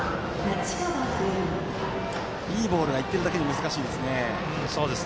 いいボールがいってるだけに難しいですね。